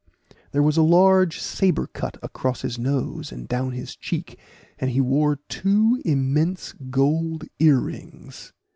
There was a large saber cut across his nose and down his cheek, and he wore two immense gold earrings.